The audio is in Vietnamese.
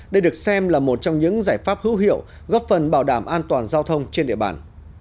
đây được xem là một trong những giải pháp hữu hiệu góp phần bảo đảm an toàn giao thông trên địa bàn